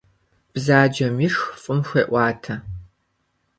Бзаджэм ишх фӀым хуеӀуатэ.